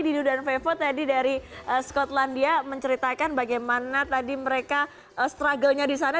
dino dan vevo tadi dari skotlandia menceritakan bagaimana tadi mereka struggle nya di sana